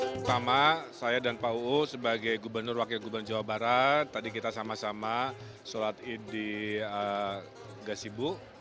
pertama saya dan pak uu sebagai gubernur wakil gubernur jawa barat tadi kita sama sama sholat id di gasibu